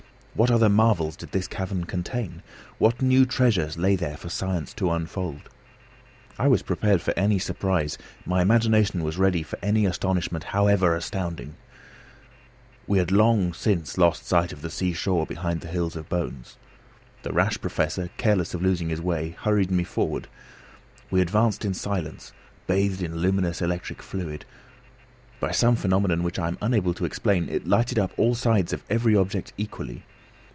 What other marvels did this cavern contain? What new treasures lay here for science to unfold? I was prepared for any surprise, my imagination was ready for any astonishment however astounding. We had long lost sight of the sea shore behind the hills of bones. The rash Professor, careless of losing his way, hurried me forward. We advanced in silence, bathed in luminous electric fluid. By some phenomenon which I am unable to explain, it lighted up all sides of every object equally.